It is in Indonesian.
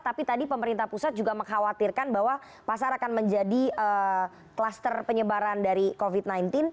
tapi tadi pemerintah pusat juga mengkhawatirkan bahwa pasar akan menjadi kluster penyebaran dari covid sembilan belas